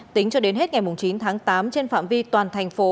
tính cho đến hết ngày chín tháng tám trên phạm vi toàn thành phố